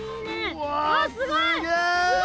うわすげえ。